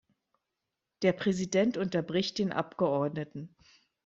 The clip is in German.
Der Präsident unterbricht den Abgeordneten.